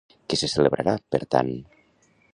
Què se celebrarà, per tant?